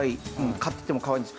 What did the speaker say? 飼っててもかわいいんです。